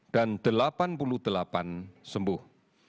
dan delapan puluh delapan sembuh